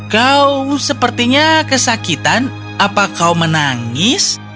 kau sepertinya kesakitan apa kau menangis